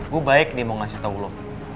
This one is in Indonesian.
gue baik nih mau ngasih tahu lo